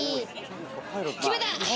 決めた！